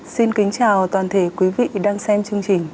xin kính chào toàn thể quý vị đang xem chương trình